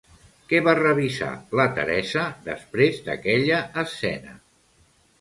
Què va revisar la Teresa després d'aquella escena?